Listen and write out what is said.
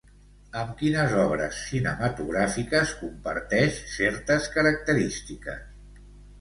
Amb quines obres cinematogràfiques comparteix certes característiques?